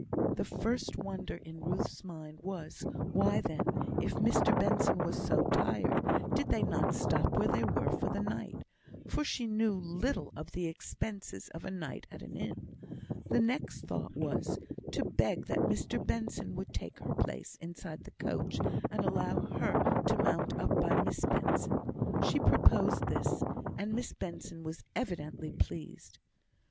The first wonder in Ruth's mind was, why then, if Mr Benson were so tired, did they not stop where they were for the night; for she knew little of the expenses of a night at an inn. The next thought was, to beg that Mr Benson would take her place inside the coach, and allow her to mount up by Miss Benson. She proposed this, and Miss Benson was evidently pleased.